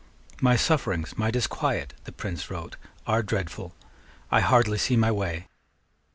"My sufferings, my disquiet," the Prince wrote, "are dreadful. I hardly see my way.